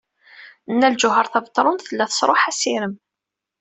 Nna Lǧuheṛ Tabetṛunt tella tesṛuḥ assirem.